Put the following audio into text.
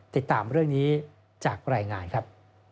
ติดตามเรื่องนี้จากรายงานครับ